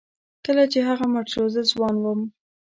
کله چې هغه مړ شو زه ځوان وم.